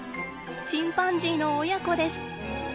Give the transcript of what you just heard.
チンパンジーの親子です。